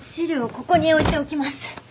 ここに置いておきます。